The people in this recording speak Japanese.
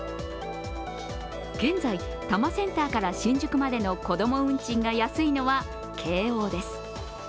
現在、多摩センターから新宿までのこども運賃が安いのは京王です。